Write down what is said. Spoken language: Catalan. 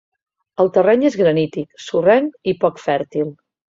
El terreny és granític, sorrenc i poc fèrtil.